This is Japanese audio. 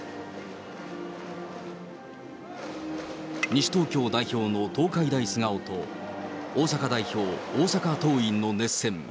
西東京代表の東海大菅生と大阪代表、大阪桐蔭の熱戦。